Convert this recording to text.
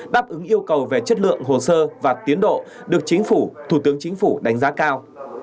đáp ứng yêu cầu về chất lượng hồ sơ và tiến độ được chính phủ thủ tướng chính phủ đánh giá cao